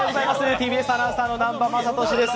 ＴＢＳアナウンサー・南波雅俊です。